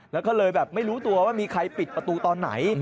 แล้วก็เลยแบบไม่รู้ตัวว่ามีใครปิดประตูตอนไหน